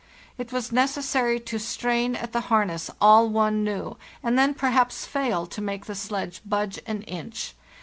It was necessary to strain at the harness all one knew, and then perhaps fail to make the sledge budge an inch.